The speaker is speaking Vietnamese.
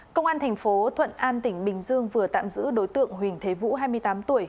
công an thành phố thuận an tỉnh bình dương vừa tạm giữ đối tượng huỳnh thế vũ hai mươi tám tuổi